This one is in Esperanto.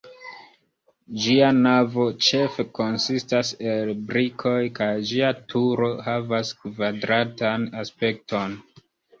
Ĝia navo ĉefe konsistas el brikoj, kaj ĝia turo havas kvadratan aspekton.